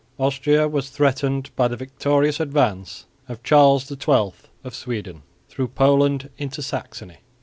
Austria was threatened by the victorious advance of Charles XII of Sweden through Poland into Saxony.